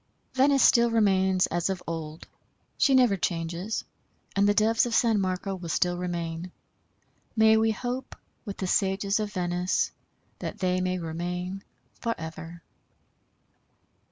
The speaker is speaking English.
Venice still remains as of old. She never changes, and the Doves of San Marco will still remain. May we hope, with the sages of Venice, that they may remain forever.